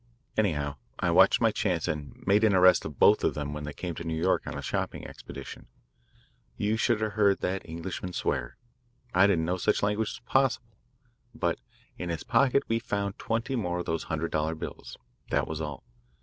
Anyhow I watched my chance and made an arrest of both of them when they came to New York on a shopping expedition. You should have heard that Englishman swear. I didn't know such language was possible. But in his pocket we found twenty more of those hundred dollar bills that was all.